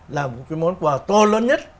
là một cái món quà to lớn nhất